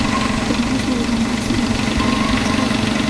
Los niños murieron en accidentes de trabajo en la escuela.